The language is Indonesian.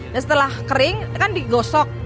dan setelah kering kan digosok